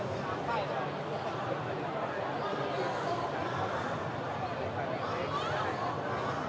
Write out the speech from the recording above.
สวัสดีครับ